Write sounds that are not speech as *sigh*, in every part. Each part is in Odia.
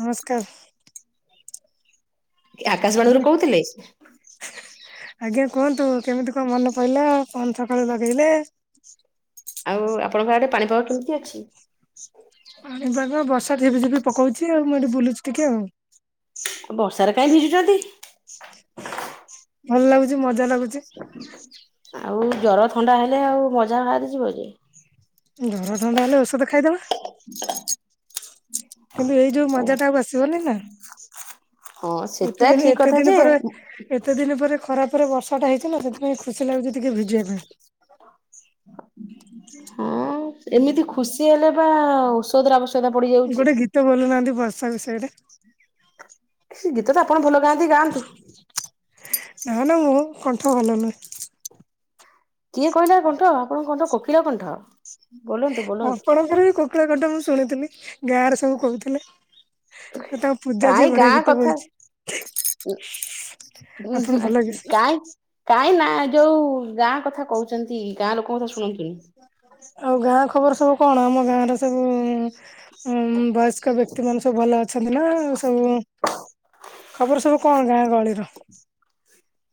ନମସ୍କାର ଆକାଶବାଣୀରୁୁ ଆଜ୍ଞା କହୁଥିଲେ ଆଜ୍ଞା କୁହନ୍ତୁ କେମିତି କଣ ମନ ପଇଲା କଣ ସକାଳୁ ଲଗେଇଲେ ଆଉ ଆପଣଙ୍କ ଆଡ଼େ ପାଣିପାଗ କେମିତି ଅଛି ପାଣିପାଗ ବର୍ଷା ଝିପିଝିପି ପକେଉଛି ଆଉ ମୁଁ ଏଠି ବୁଲୁଛି ଟିକେ ଆଉ ବର୍ଷାରେ କାହିଁ ଭିଜୁଛନ୍ତି ସୁଉ ଭଲ ଲାଗୁଛି ମଜା ଲାଗୁଚି ଆଉ ଜର ଥଣ୍ଡା ହେଲେ ଆଉ ମଜା ବାହାରିଯିବ ଯେ ଜର ଥଣ୍ଡା ହେଲେ ଔଷଧ ଖାଇଦବା ଖଡ କିନ୍ତୁ ଏଇ ଯୋଉ ଖଡ ମଜା ଟା ଆଉ ଆସିବନି ନା ହଁ ସେଟା ଠିକ୍ କଥା ଯେ। ଏତେଦିନି ପରେ ଖରାପରେ ବର୍ଷା ଟା ହେଇଛି ନା ସେଥିପାଇଁ ଖୁସି ଲାଗୁଛି ଟିକେ ଭିଜିବା ପାଇଁ। ହଁ ଏମିତି ଖୁସିହେଲେ ବା ଔଷଧ ର ଆବଶ୍ୟ ଗୋଟେ ଗୀତ ବୋଲୁ ନାହାନ୍ତି ବର୍ଷା ବିଷୟରେ। ଗୀତ ତ ଆପଣ ଭଲ ଗାଆନ୍ତି ଗାଆନ୍ତୁ। ନା ନା ମୋ କଣ୍ଠ ଭଲ ନୁହେଁ। କିଏ କହିଲା କଣ୍ଠ ଆପଣଙ୍କ କଣ୍ଠ କୋକିଳ କଣ୍ଠ। ବୋଲନ୍ତୁ ବୋଲନ୍ତୁ। ଆପଣଙ୍କର ବି କୋକିଳ କଣ୍ଠ ମୁଁ ଶୁଣିଥୁଲି ଗାଁରେ ସବୁ କହୁଥୁଲେ। କାଇଁ ଗାଁ କଥା। ବୋଲିଛି ଆପଣ ଭଲ *unintelligible* ଗାଏ। କାଇଁ ନା ଯୋଉ ଗାଁ କଥା କହୁଚନ୍ତି ଗାଁ ଲୋକଙ୍କ ଶୁଣିକିନି। ଆଉ ଗାଁ ଖବର ସବୁ କଣ ଆମ ଗାଁର ସବୁ ଉଁ ବୟସ୍କ ବ୍ୟକ୍ତି ମାନ ସ ସବୁ ଭଲ ଅଛନ୍ତି ନା ଆ ସବୁ ଖବର ସବୁ କଣ ଗାଁ ଗହଳିର?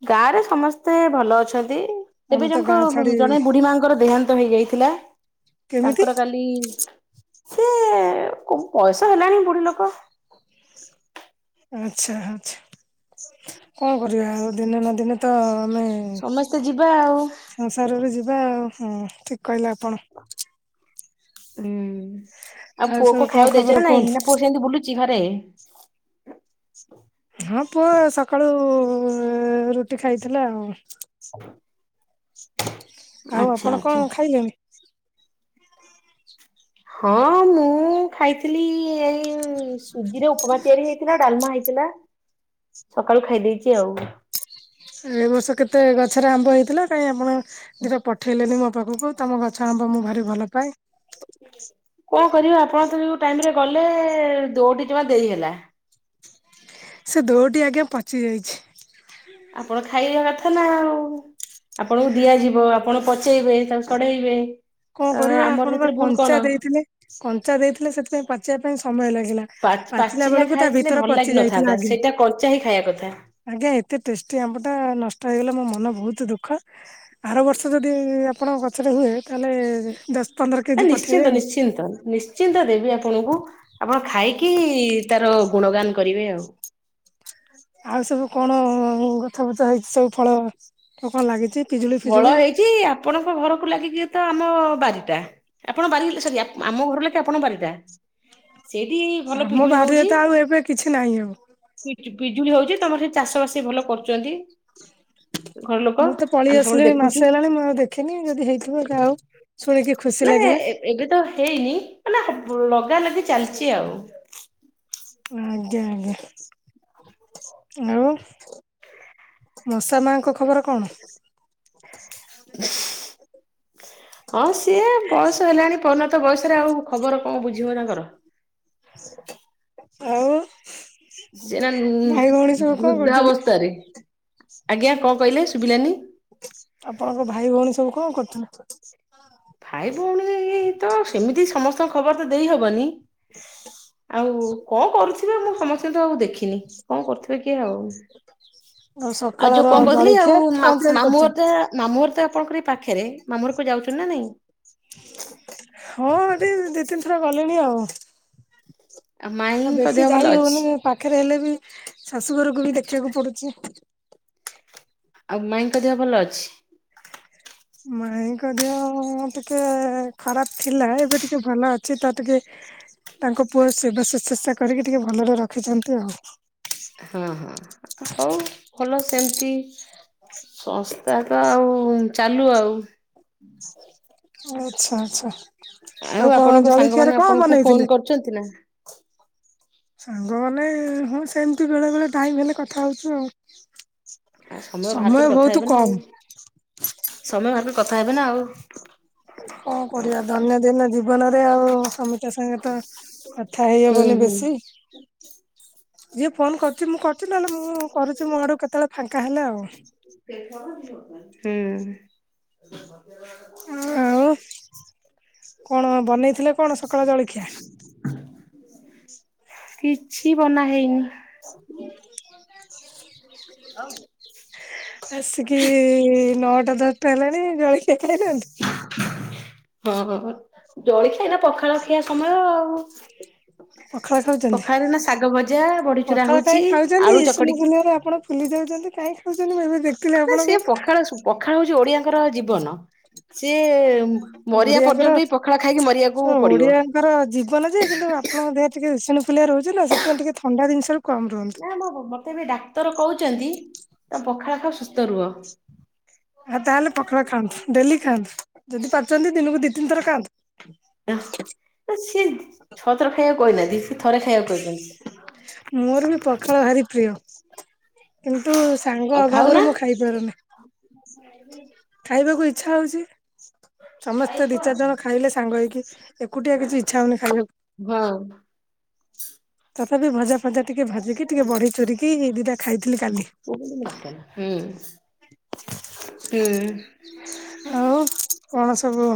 ଗାଁ ରେ ସମସ୍ତେ ଭଲ ଅଛନ୍ତି ଆମେ ଏବେ ତ ଜଣକ ଗାଁ ଛାଡି ଜଣେ ବୁଢୀ ମାଙ୍କର ଦେହାନ୍ତ ହେଇଯାଇ ଥିଲା କେମିତି ତାଙ୍କର କାଲି ସେ କ କୟସ ହେଲାଣି ବୁଢୀ ଲୋକ। ଆଛା ଆଛା କଣ କରିବା ଆଉ ଦିନେ ନା ଦିନେ ତ ଆମେ ହୁଁ ସମସ୍ତେ ଯିବା ଆଉ ସଂସାରରେ ଯିବା ଆଉ ହୁଁ ଠିକ୍ କହିଲେ ଆପଣ। ହୁଁ ଆଉ ସବୁ ପୁଅକୁ କଣ ଖାଇବାକୁ ଖବର ଦେଇଛନ୍ତି କୁହନ୍ତୁ ନାଇଁ ପୁଅ ସେମିତି ବୁଲୁଚି ଘରେ? ହଁ ପୁଅ ସକାଳୁ ରୁଟି ଖାଇଥିଲା ଆଉ। *inaudible* ଆଉ ଆଚ୍ଛା ଆପଣ ଆଚ୍ଛା କଣ ଖାଇଲଣି? ହଁ ମୁଁ ଖାଇଥିଲି ଏଇ ସୁଜି ରେ ଉପମା ତିଆରି ହେଇଥିଲା ଡାଲମା ହେଇଥିଲା। *inaudible* ସକାଳୁ ଖାଇଦେଇଚି ଆଉ। ଏ ବର୍ଷ କେତେ ଗଛରେ ଆମ୍ବ ହେଇଥିଲା କାଇଁ ଆପଣ ଦିଟା ପଠେଇଲେନି ମୋ ପାଖକୁ ତମ ଗଛ ଆମ୍ବ ମୁଁ ଭାରି ଭଲ ପାଏ। କଣ କରିବା ଆପଣ ତ ଯଉଁ ଟାଇମରେ ଗଲେ ଦୋଟି ଜମା ଦେଇହେଲା। ସେ ଦୋଟି ଆଜ୍ଞା ପଚି ଯାଇଛି। ଆପଣ ଖାଇବା କଥା ନା ଆଉ। ଆପଣଙ୍କୁ ଦିଆଯିବ ଆପଣ ପଚେଇବେ ତାକୁ ସଢେଇବେ। କଣ ଅ କରିବା ଆମର ଆପଣ ବା ସେଥିରେ ଭୁଲ କଣ? କଞ୍ଚା ଦେଇଥିନେ କଞ୍ଚା ଦେଇଥିଲେ ସେଥିପାଇଁ ପାଚେଇବା ପାଇଁ ସମୟ ଲାଗିଲା। ପାଚ୍ ପାଚିଲା ବେଳକୁ ତା ଖାଇଥିଲେ ଭିତର ଭଲ ପଚି ଯାଇଥିଲା ଲାଗିିନଥାନ୍ତା ଆଜ୍ଞା। ସେଇଟା କଞ୍ଚା ହି ଖାଇବା କଥା। ଆଜ୍ଞା ଏତେ ଟେଷ୍ଟି ଆମ୍ବ ଟା ନଷ୍ଟ ହେଇଗଲେ ମୋ ମନ ବହୁତ୍ ଦୁଃଖ। ଆର ବର୍ଷ ଯଦି ଆପଣଙ୍କ ଗଛରେ ହୁଏ ତାହେଲେ ଦଶ ପନ୍ଦର କେଜି ପଠେଇବେ ନିଶ୍ଚିନ୍ତ ଆଉ। ନିଶ୍ଚିନ୍ତ ନିଶ୍ ନିଶ୍ଚିନ୍ତ ଦେବି ଆପଣଙ୍କୁ ଆପଣ ଖାଇକି ତାର ଗୁଣଗାନ କରିବେ ଆଉ। ଆଉ ସବୁ କଣ ଗଛ ପଛ ହେଇଛି ସବୁ ଫଳ କଣ ଲାଗିଚି? ଫଳ ହେଇଚି ଆପଣଙ୍କ ଘରକୁ ଲାଗିକି ତ ଆମ ବାରିଟା। ଆପଣ ବାରି ସରି ଆମ ଘର ଲାଗିକି ଆପଣଙ୍କ ବାରିଟା। ସେଇଟି ଭଲ ଆମ ପିଜୁଳି ବାରିରେ ହଉଛି। ତ ଆଉ ଏବେ କିଛି ନାହିଁ ଆଉ। ପିଜୁ ପିଜୁଳି ହଉଚି ତମର ସେ ଚାଷ ବାସି ଭଲ କରୁଚନ୍ତି ଘର ଲୋକ। ପଳି ଆମେ ସବୁବେଳେ ଆସିଲେଣି ଦେଖୁଛୁ। ମାସେ ହେଲାଣି ମୁଁ ଆଉ ଦେଖିନି ଯଦି ହେଇଥିବ ଯା ହଉ ଶୁଣିକି ଖୁସି ମାନେ ଲାଗିଲା। ଏବେ ତ ହେଇନି ମାନେ ହ୍ ଲଗା ଲଗି ଚାଲିଚି ଆଉ। ଆଜ୍ଞା ଆଜ୍ଞା ଆଉ। ମଶା ମାଙ୍କ ଖବର କଣ? *inaudible* ହଁ ସିଏ ବୟସ ହେଲାଣି ପରିଣତ ବୟସରେ ଆଉ ଖବର କଁ ବୁଝିବ ତାଙ୍କର? ଆଉ? ଏଇନା ନୂ ଭାଇ ଭଉଣୀ ସବୁ କଣ କରୁଛନ୍ତି? ବୃଦ୍ଧାବସ୍ଥାରେ ଆଜ୍ଞା କଁ କଇଲେ ଶୁଭିଲାନି? ଆପଣଙ୍କ ଭାଇ ଭୋଉଣୀ ସବୁ କଁ କରୁଛନ୍ତି? ଭାଇ ଭୋଉଣୀ ରେ ଏଇ ଏଇ ତ ସେମିତି ସମସ୍ତଙ୍କ ଖବର ତ ଦେଇହବନି। ଶୁଭୁଚି? ଆଉ କଁ କରୁଥିବେ ମୁଁ ସମସ୍ତିତିଙ୍କି ତ ଆଉ ଦେଖିନି କଁ କରୁଥିବେ କି ଆଉ। ଆଉ ଯୋଉ ସକାଳର କଁ କୋଉଥିଲି ଆଉ ଜଳଖିଆ କଣ ମାସ୍ ତିଆରି ମାମୁ କରିଛନ୍ତି? ଘରେତେ ମାମୁଁ ଘର ତ ଆପଣଙ୍କର ଏଇ ପାଖରେ ମାମୁ ଘରକୁ ଯାଉଛନ୍ତିୁ ନା ନାଇଁ। ହଁ ଏଠି ଦି ତିନ୍ ଥର ଗଲିଣି ଆଉ। ଆଉ ମାଇଁଙ୍କ ବେଶୀ ଦେହ ଭଲ ଯାଇ ଅଛି ହୋଉନି ଉଁ ପାଖେରେ ହେଲେ ବି ଶାଶୁଘରକୁ ବି ଦେଖିବାକୁ ପଡୁଛି। ଆଉ ମାଇଁଙ୍କ ଦେହ ଭଲ ଅଛି? ମାଇଁଙ୍କ ଦେହ ଟିକେ ଖରାପ ଥିଲା ଏବେ ଟିକେ ଭଲ ଅଛି ତ ଟିକେ ତାଙ୍କ ପୁଅ ସେବା ଶୁସଶା କରିକି ଟିକେ ଭଲରେ ରଖିଛନ୍ତି ଆଉ। ହୁଁ ହୁଁ ହୋଉ ଭଲ ସେମିତି। ସଂସ୍ଥାତ ଆଉ ଚାଲୁ ଆଉ। ଆଛା ଆଚ୍ଛା ଆଉ କଁ ଜଳିଖିଆରେ କଁ ବନେଇଥିଲେ। କରୁଚନ୍ତି ନା? ସାଙ୍ଗମାନେ ହଁ ସେମ୍ତି ବେଳେ ବେଳେ ଟାଇମ୍ ହେଲେ କଥା ହୋଉଚୁ ଆଉ। ଆଉ ବାହାର କରି ସମୟ କଥା ଭୋଉତ୍ ହେବେ ନା ଆଉ କମ୍। ସମୟ ଭାବେ କଥା ହେବେ ନା ଆଉ। କଣ କରିବା ଦୈନନ୍ଦିନ ଜୀବନରେ ଆଉ ସମି ସ୍ତିଙ୍କ କା ସାଙ୍ଗରେ ତ କଥା ହେଇ ହୁଁ ହବନି ହୁଁ। ବେଶୀ ଯିଏ ଫୋନ କ ଯେ ମୁଁ କରୁଚି ନହେଲେ ମୁଁ କରୁଚି ମୋ ଆଡୁ କେତେବେଳେ ଫାଙ୍କା ହେଲେ ଆଉ। ହୁଁ। ଆଉ *inaudible* କଣ ବନେଇଥିଲେ କଣ ସକାଳ ଜଳିଖିଆ। କିଛି ବନା ହେଇନି। *inaudible* ଆସିକି ନଅଟା ଦଶଟା ହେଲାଣି ଜଳି ହଁ ହଁ ଜଳିଖିଆ ଏଇନା ପଖାଳ ଖିଆ ସମୟ ଆଉ। *inaudible* ପଖାଳ ଖାଉଛନ୍ତି ପଖାଳରେ ନା ଶାଗ ଭଜା ବଢିଚୁରା ପଖାଳ ହଉଛି କାଇଁ ଖାଉଛନ୍ତି ଆଳୁ ଇସନ ଚକଡିକି ଫୁଲିଆରେ ଆପଣ ଫୁ ଫୁଲି ଯାଉଚନ୍ତି କାହିଁକି ଖାଉଚନ୍ତି *inaudible* ନା ସେ ପଖାଳ ସୁ ପଖାଳ ହୋଉଛି ଓଡିଆଙ୍କର ଜୀବନ। ସିଏ ମରିବା ଓଡିଆଙ୍କର ପର୍ଯ୍ୟନ୍ତ ବିି ପଖାଳ ଖାଇକି ମରିଆକୁ ପଡିବ। ତାଙ୍କର ଜୀବନ ଯେ କିନ୍ତୁ ଆପଣଙ୍କ ଦେହରେ ଟିକେ ଇସୁନ୍ ଫୁଲିଆ ରହୁଛି ତ ସେଥିପାଇଁ ଟିକେ ଥଣ୍ଡା ଦିନ୍ଷରୁ କମ୍ ରୁହନ୍ତୁ। ନାମ ମ ମତେ ଏବେ ଡାକ୍ତର କୋହୁଛନ୍ତି ଆଁ ପଖାଳ ଖାଅ ସୁସ୍ଥ ରୁହ। ଆ ତାହେଲେ ପଖାଳ ଖାଆନ୍ତୁ ଡେଲି ଖାଆନ୍ତୁ ଯଦି ପାରୁଛନ୍ତି ଦିନୁକୁ ଦି ତିନ୍ ଥର ଖାଆନ୍ତୁ। ୟହଁ ଆଁ ସିଏ ଛଅ ଥର ଖାଇଆକୁ କହିନାହାନ୍ତି ସେ ଥରେ ଖାଇଆକୁ କହିଛନ୍ତି। ମୋରବି ପଖାଳ ଭାରି ପ୍ରିୟ କିନ୍ତୁ ସାଙ୍ଗ ଆଉ ଖାଉନା ଅଭାବରୁ ମୁଁ ଖାଇପାରୁନି। *inaudible* ଖାଇବାକୁ ଇଛା ହୋଉଚି ସମସ୍ତେ ଦି ଚାରି ଜଣ ଖାଇଲେ ସାଙ୍ଗ ହେଇକି। ଏକୁଟିଆ କିଛି ଇଛା ହଉନି ଖାଇବାକୁ। ହଁ। ତଥାପି ଭଜା ଫଜା ଟିକେ ଭାଜିକି ଟିକେ ବଢି ଚୁରିିକି ଦିଟା ଖାଇଥିଲି କାଲି। ହୁଁ, ହୁଁ। ଆଉ କଣ ସବୁ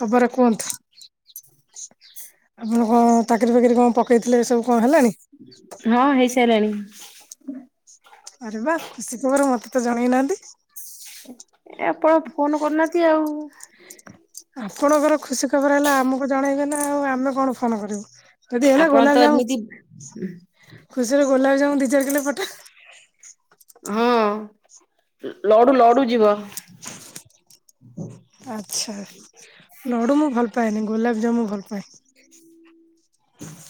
ଖବର କୁହନ୍ତୁ? ଆପଣ କଣ ଚାକିରି ଫାକିରି କଣ ପ ନେଇଥିଲେ ସବୁ। କଣ ହେଲାଣି? ହଁ ହେଇସାଇଲାଣି। ଆରେ ବା ଖୁସି ଖବର ମତେ ତ ଜଣେଇ ନାହାନ୍ତି! ଏ ଆପଣ ଫୋନ କରୁନାହାନ୍ତି ଆଉ! ଆପଣଙ୍କର ଖୁସି ଖବର ହେଲା ଆମକୁ ଜଣେଇବେ ନା ଆଉ ଆମେ କଣ ଫୋନ କରିବୁ! ଯଦି ହେଲା ଆପଣ ଗୋଲାପ ତ ଜାମୁ *inaudible* ଖୁସିରେ ଗୋଲାପ ଜାମୁ ଦି ଚାର କିଲୋ ପଠା। ହଁ ଲଡୁ ଲଡୁ ଯିବ। ଆଚ୍ଛା ଲଡୁ ମୁଁ ଭଲ ପାଏନି ଗୋଲାପଜାମୁ ଭଲ ପାଏ।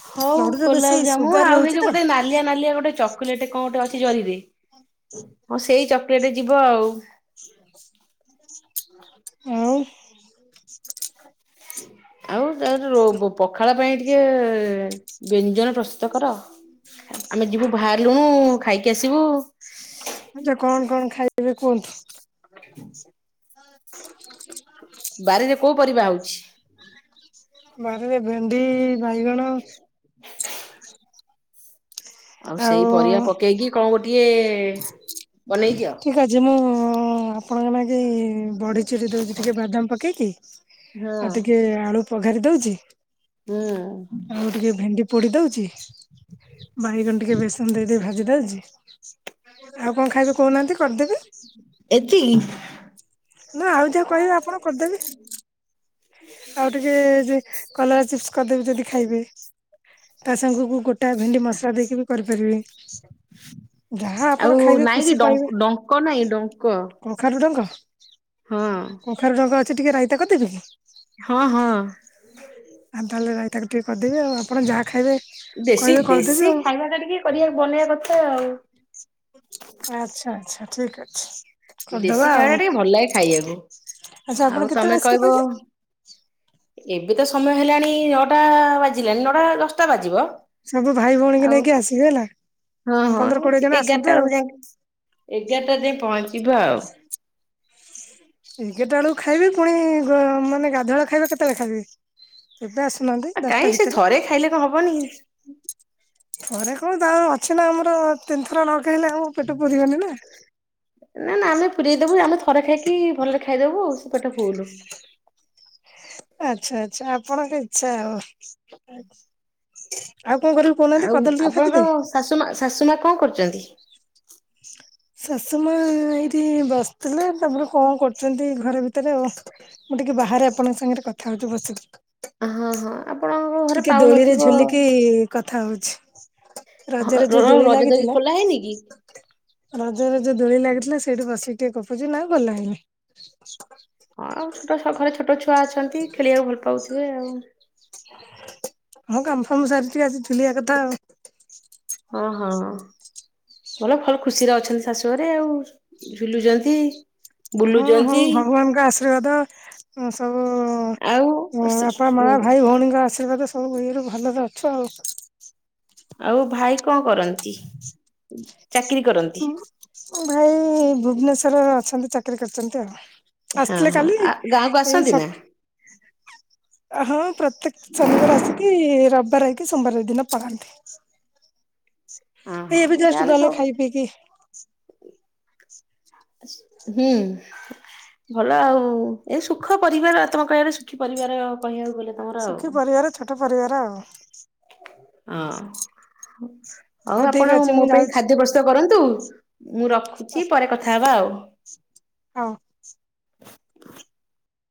ହଉ ଲଡୁରେ ବେଶୀ ଗୋଲାପଜାମୁ ସୁଗାର ଆଉ ଏଇ ରହୁଛି ତ ଯୋଉ ଗୋଟେ ନା ନାଲିଆ ନାଲିଆ ଗୋଟେ ଚକୋଲେଟ କଣ ଗୋଟେ ଅଛି ଜରିରେ ହଁ ସେଇ ଚକୋଲେଟ ଯିବ ଆଉ। *inaudible* ହୁଁ। ଆଉ ତା ଜୋ ପଖାଳ ପାଇଁ ଟିକେ ବ୍ୟଞ୍ଜନ ପ୍ରସ୍ତୁତ କର, ଆମେ ଯିବୁ ବାହାରିଲୁଣୁ ଖାଇକି ଆସିବୁ। ଆଛା କଣ କଣ ଖାଇବ କୁହନ୍ତୁ? ବାରିରେ କୋଉ ପରିବା ହଉଛି? ବାରରେ ଭେଣ୍ଡି ବାଇଗଣ *inaudible* ଆଉ ସେଇ ପରିବା ପକେଇକି କଣ ଗୋଟିଏ ବନେଇ ଦିଅ। ଆଜି ମୁଁ ଆପଣଙ୍କ ନାଗି ବଡି ଚୁରି ଦଉଛି ଟିକେ ବାଦାମ ପକେଇକି ହଁ ଆଉ ଟିକେ ଆଳୁ ପଘାରି ଦଉଛି। ହୁଁ। ଆଉ ଟିକେ ଭେଣ୍ଡି ପୋଡି ଦଉଛି, ବାଇଗଣ ଟିକେ ବେସନ ଦେଇ ଦେଇେ ଭାଜି ଦଉଛି। ଆଉ କଣ ଖାଇବେ କହୁନାହାନ୍ତି କରିଦେବି? ଏତିକି। ନା ଆଉ ଯାହା କହିବେ ଆପଣ କରିଦେବି। ଆଉ ଟିକେ ଯେ କଲରା ଚିପ୍ସ କରିଦେବି ଯଦି ଖାଇବେ ତା ସାଙ୍ଗକୁ ଗୋଟ ତା ଭେଣ୍ଡି ମସଲା ଦେଇକି ବି କରିପାରିବେ ଯାହା ଆଉ ଆପଣ ଖାଇବେ ନାଇଁ କି ଖୁସି କହିବେ। ଡଙ୍କ ନାଇଁ ଡଙ୍କ କଖାରୁ ଡଙ୍କ ହଁ। କଖାରୁ ଡଙ୍କ ଅଛି ଟିକେ ରାଇତା କରିଦେବି କି? ହଁ ହଁ। ଆ ତାହେଲେ ରାଇ ତାକୁ ଟିକେ କରିଦେବି ଆଉ ଆପଣ ଯାହା ଖାଇବେ ଦେଶୀ କହିବେ ଦେଶୀ କରିଦେବି ଆଉ ଖାଇବା ଟା ଟିକେ କରିବା ବନେଇବା କଥା ଆଉ। ଆଛା ଆଚ୍ଛା ଠିକ ଅଛି। ଦେଶୀ କରିଦବା ଖାଇବା ଟା ଆଉ ଟିକେ ଭଲ ଲାଗେ ଖାଇବାକୁ ଆଚ୍ଛା ଆଉ ଆପଣ ତମେ କେତେବେଳେ ଆସିବେ କହିବ କହିଲେ? ଏବେ ତ ସମୟ ହେଲାଣି ନଅଟା ବାଜିଲାଣି ନଅଟା ଦଶଟା ବାଜିବ। ସବୁ ଭାଇ ଭଉଣୀ କି ଆଉ ନେଇକି ଆସିବେ ହେଲା। ହଁ ହଁ ପନ୍ଦର କୋଡିଏ ଏଠି ଜଣ ଆସନ୍ତୁ ଏଗାରଟା ଆଉ ବେଳକୁ ଯାଇଁକି ଏଗାରଟା ବେଳକୁ ଖାଇବେ ପୁଣି ମାନେ, ଗାଧୁଆ ବେଳ ଖାଇବା କେତେବେଳେ ଖାଇବେ? ଏବେ ଆସୁନାହାନ୍ତି। ଆ ଦଶଟା କାଇଁ ସେ ଭିତରେ ଥରେ ଖାଇଲେ କଣ ହବନି। ଥରେ କଣ ତାପରେ ଅଛି ନା ଆମର ତିନିଥର ନଖାଇଲେ ଆମ ପେଟ ପୁରିିବନି ନା। ନା ନା ଆମେ ପୁରରେଇଦବୁ ଆମେ ଥରେ ଖାଇକି ଭଲରେ ଖାଇଦବୁ ସେ ପେଟ ଫୁଲୁ। ଆଚ୍ଛା ଆଚ୍ଛା ଆପଣଙ୍କ ଇଚ୍ଛା ଆଉ। ଆଉ କଣ କରିବୁ କହୁନାହାନ୍ତି ଆଉ କଦଳୀ ଟିକେ ଆପଣଙ୍କ ଭାଜିଦେବି? ଶାଶୁ ମା ଶାଶୁମା କଣ କରୁ ଶାଶୁ ମା ଏଇଠି ବସ୍ ଥିଲେ ତାପରେ କଣ କରୁଛନ୍ତି ଘରେ ଭିତରେ ଆଉ। ମୁଁ ଟିକେ ବାହାରେ ଆପଣଙ୍କ ସାଙ୍ଗରେ କଥା ହେଉଚି ବସିକି। ହଁ ହଁ ଆପଣଙ୍କ ଘରେ ଟିକେ ଦୋଳିରେ ପାଉନଥିବ ଝୁଲିକି କଥା ହଉଚି। ହଁ ରଜରେ ର ଯୋଉ ଦୋଳି ରଜ ଲାଗିଥିଲା ଖୋଲା ହେଇନି କି? ରଜରେ ଯୋଉ ଦୋଳି ଲାଗିଥିଲା ସେଇଠି ବସିକି ଟିକେ ଗପୁଚି। ନାଇଁ ଖୋଲା ହେଇନି। ହଁ ଆଉ ଛୋଟ ଘରେ ଛୋଟ ଛୁଆ ଅଛନ୍ତି ଖେଳିବାକୁ ଭଲ ପାଉଥିବେ ଆଉ। ହଁ କାମଫାମ ସାରିକି ଆଜି ଟିକେ ଝୁଲିଆ କଥା ଆଉ। ହଁ ହଁ। ଭଲ, ଭଲ ଖୁସିରେ ଅଛନ୍ତି ଶାଶୁ ଘରେ ଆଉ ଝୁଲୁଛନ୍ତି। ହୁଁ ହଉ ଭଗବାନଙ୍କ ଆଶୀର୍ବାଦ ସବୁ ଆଉ ବାପା ମା ଭାଇ ଭଉଣୀଙ୍କ ଆଶୀର୍ବାଦ ସବୁ ଇଏ ରୁ ଭଲରେ ଅଛୁ ଆଉ। ଆଉ ଭାଇ କଣ କରନ୍ତି? ଚାକିରୀ କରନ୍ତି। ଭାଇ ଭୁବନେଶ୍ଵର ଅଛନ୍ତି ଚାକିରୀ କରିଛନ୍ତି ଆଉ। ହଁ ଆସିଥିଲେ ହଁ କାଲି। ଆ ଗାଁକୁ ଏଇ ଆସନ୍ତି ସ ନା ହଁ ପ୍ରତ୍ୟେକ ଶନିବାର ଆସିକି ରବିବାର ରହିକି ସୋମବାର ଦିନ ପଳାନ୍ତି। ହଁ ହଁ ଏଇ ଏବେ ଜଷ୍ଟ ଯାହାହେଲେ ଗଲେ ସବୁ ଖାଇ ପିଇକି। ହୁଁ। ଭଲ ଆଉ। ଏଇ ସୁଖ ପରିବାର ତମେ କହିବାଟା ସୁଖୀ ପରିବାର କହିବାକୁ ଗଲେ। ତମର ଆଉ। ସୁଖୀ ପରିବାର ଛୋଟ ପରିବାର ଆଉ। ହଁ। ହଉ ଠିକ ଆପଣ ଅଛି ମୋ ମୁଁ ପାଇଁ ଯାଉଛି ଖାଦ୍ୟ ପ୍ରସ୍ତୁତ କରନ୍ତୁ। ମୁଁ ରଖୁଚି ପରେ କଥା ହବା ଆଉ। ହଉ।